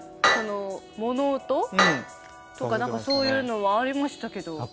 物音？とか何かそういうのはありましたけど。